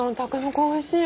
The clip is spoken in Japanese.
筍おいしい。